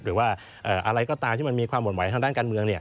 หรือว่าอะไรก็ตามที่มันมีความหวดไหทางด้านการเมือง